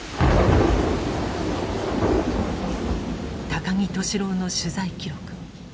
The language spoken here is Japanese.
高木俊朗の取材記録。